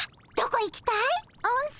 どこ行きたい？